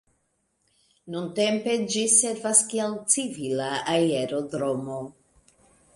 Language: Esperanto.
Nuntempe ĝi servas kiel civila aerodromo.